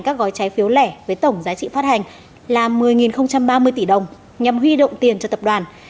các gói trái phiếu lẻ với tổng giá trị phát hành là một mươi ba mươi tỷ đồng nhằm huy động tiền cho tập đoàn